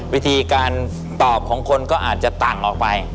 วิธีการตอบของคนก็อาจจะต่างออกไป